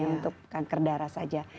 untuk kanker darah saja